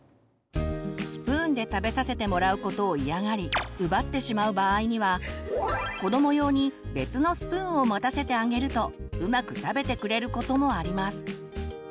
スプーンで食べさせてもらうことを嫌がり奪ってしまう場合には子ども用に別のスプーンを持たせてあげるとうまく食べてくれることもあります。